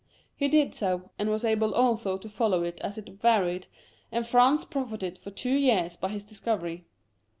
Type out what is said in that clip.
He did so, and was able also to follow it as it varied, and France profited for two years by his discovery.